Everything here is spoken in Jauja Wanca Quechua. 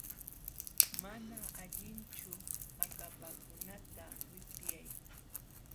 Mana allinchu akapakunata wipyay.